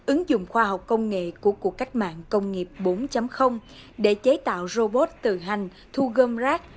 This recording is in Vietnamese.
ứng dụng khoa học công nghệ của cuộc cách mạng công nghiệp bốn để chế tạo robot tự hành thu gom rác